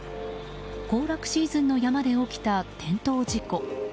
行楽シーズンの山で起きた転倒事故。